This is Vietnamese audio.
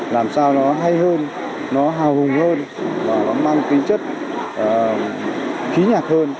làm sao nó hay hơn nó hào hùng hơn nó mang kính chất khí nhạc hơn